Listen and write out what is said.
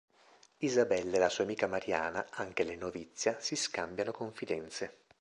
Isabella e la sua amica Mariana, anche lei novizia, si scambiano confidenze.